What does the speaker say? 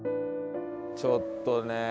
ちょっとね